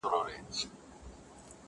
ستا پر لوري د اسمان سترګي ړندې دي!.